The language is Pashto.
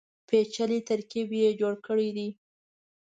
پېچلی ترکیب یې جوړ کړی دی.